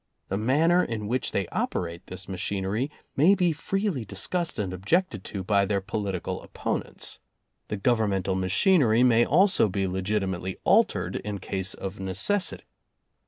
The manner in which they operate this machinery may be freely dis cussed and objected to by their political oppon ents. The Governmental machinery may also be legitimately altered, in case of necessity.